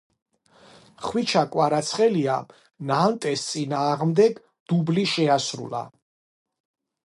ხვიჩა კვარაცხელიამ ნანტეს წინააღმდეგ დუბლი შეასრულა